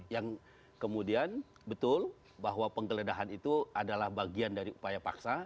yang kemudian betul bahwa penggeledahan itu adalah bagian dari upaya paksa